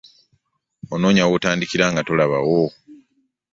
Onoonya w'otandikira nga tolabawo.